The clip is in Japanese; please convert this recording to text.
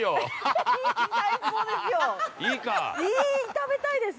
食べたいです。